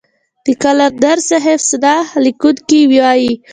د قلندر صاحب سوانح ليکونکي وايي.